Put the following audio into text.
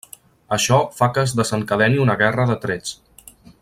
Això fa que es desencadeni una guerra de trets.